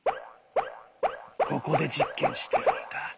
ここで実験してるんだ。